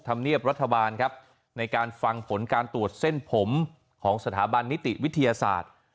ธรรมเนียบรัฐบาลครับในการฟังผลการตรวจเส้นผมของสถาบันนิติวิทยาศาสตร์